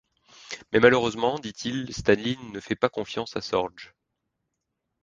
Mais malheureusement, dit-il, Staline ne fait pas confiance à Sorge.